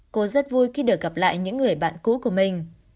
cô rất vui khi được gặp lại những người bạn cũ của mình